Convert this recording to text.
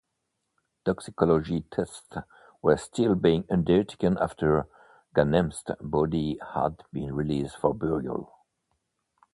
Toxicology tests were still being undertaken after Ghanem's body had been released for burial.